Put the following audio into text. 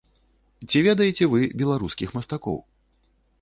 Ці ведаеце вы беларускіх мастакоў?